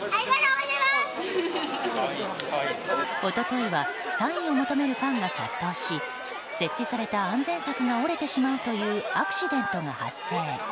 一昨日はサインを求めるファンが殺到し設置された安全柵が折れてしまうというアクシデントが発生。